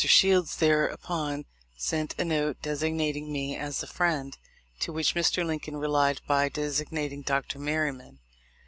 Shields thereupon sent a note designating me as a friend, to which Mr. Lincoln relied by desig nating Dr. Merryman.